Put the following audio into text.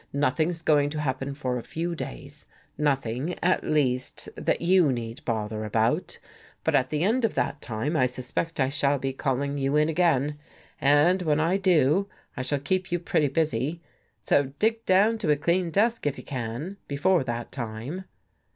Nothing's going to happen for a few days — nothing, at least, that you need bother about. But at the end of that time, I suspect I shall be calling you in again. And when I do, I shall keep you pretty busy. So dig 140 AN ESCAPE down to a clean desk, if you can, before that time."